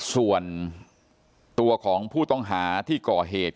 ส่วนตัวของผู้ต้องหาที่ก่อเหตุ